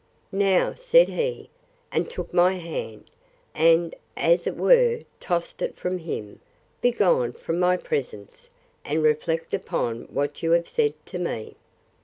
—Now, said he, and took my hand, and, as it were, tossed it from him, begone from my presence, and reflect upon what you have said to me!